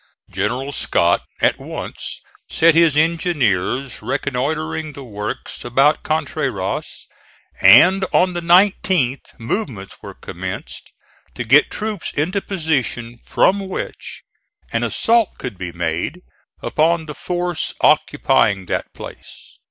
General Scott at once set his engineers reconnoitring the works about Contreras, and on the 19th movements were commenced to get troops into positions from which an assault could be made upon the force occupying that place.